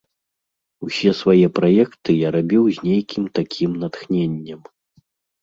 Усе свае праекты я рабіў з нейкім такім натхненнем.